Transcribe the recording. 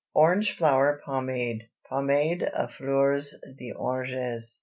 ORANGE FLOWER POMADE (POMADE À FLEURS D'ORANGES).